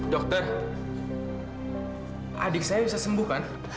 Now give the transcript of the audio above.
dokter adik saya bisa sembuh kan